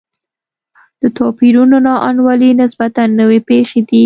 د توپیرونو نا انډولي نسبتا نوې پېښې دي.